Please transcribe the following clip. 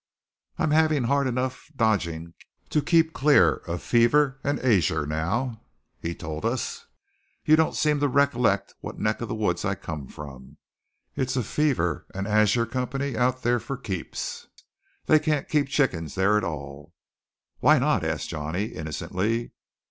"I'm having hard enough dodging to keep clear of fever'n ager now," he told us. "You don't seem to recollect what neck of the woods I come from. It's a fever'n ager country out there for keeps. They can't keep chickens there at all." "Why not?" asked Johnny innocently.